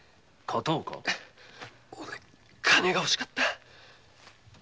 おれ金が欲しかった。